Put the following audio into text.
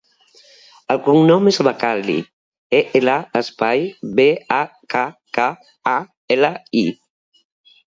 El cognom és El Bakkali: e, ela, espai, be, a, ca, ca, a, ela, i.